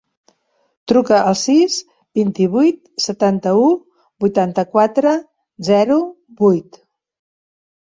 Truca al sis, vint-i-vuit, setanta-u, vuitanta-quatre, zero, vuit.